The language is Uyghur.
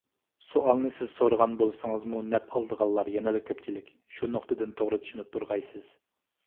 سوئالنى سىز سورىغان بولسىڭىزمۇ نەپ ئالىدىغانلار يەنىلا كۆپچىلىك. شۇ نۇقتىدىن توغرا چۈشىنىپ تۇرغايسىز.